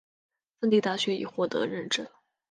蒂芬大学已获得认证。